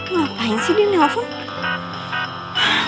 ngapain sih dia nelfon